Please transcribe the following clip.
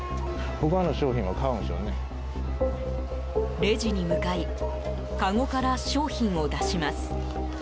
レジに向かいかごから商品を出します。